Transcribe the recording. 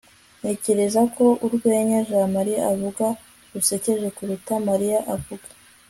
ntekereza ko urwenya jamali avuga rusekeje kuruta mariya avuga